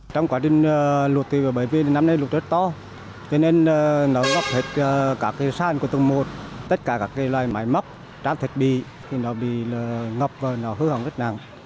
trong quá trình lụt thì bệnh viện năm nay lụt rất to cho nên nó góp hết cả cái sàn của tầng một tất cả các cái loài máy móc trám thịt bì thì nó bị ngập và nó hư hỏng rất nặng